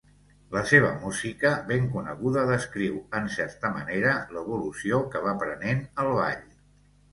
La seva música ben coneguda descriu, en certa manera, l'evolució que va prenent el ball.